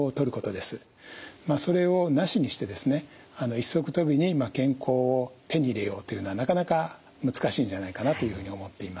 一足飛びに健康を手に入れようというのはなかなか難しいんじゃないかなというふうに思っています。